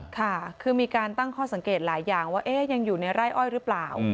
ค่ะคือมีการตั้งข้อสังเกตหลายอย่างว่ายังอยู่ในไร่อ้อยหรือเปล่า